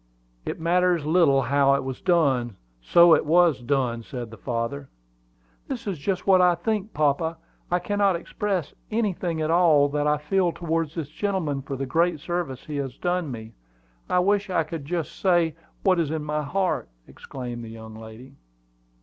"It matters little how it was done, so it was done," said the father. "That is just what I think, papa. I can't express anything at all that I feel towards this gentleman for the great service he has done me. I wish I could say just what is in my heart!" exclaimed the fair young lady.